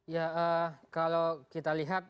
ya kalau kita lihat